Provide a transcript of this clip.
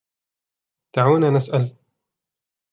دعونا نسأل.